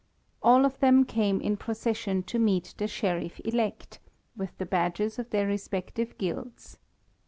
All of them came in procession to meet the Sheriff elect, with the badges of their respective Guilds.